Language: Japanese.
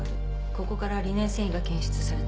ここからリネン繊維が検出された。